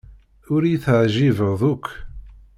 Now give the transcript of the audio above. Ur iyi-teɛjibeḍ akk.